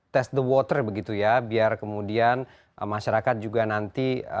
test the water begitu ya biar kemudian masyarakat juga nanti